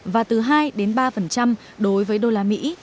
và từ hai ba đối với đô la mỹ